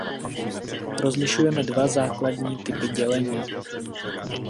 Rozlišujeme dva základní typy dělení.